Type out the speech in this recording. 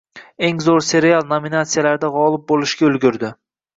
«Eng zur serial» nominatsiyalarida g’olib bo’lishga ulgurdi.